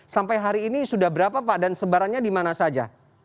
sampai hari ini sudah berapa pak dan sebarannya di mana saja